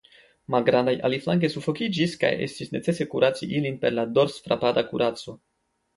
Malgrandaj aliflanke sufokiĝis, kaj estis necese kuraci ilin per la dorsfrapada kuraco.